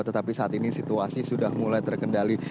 tetapi saat ini situasi sudah mulai terkendali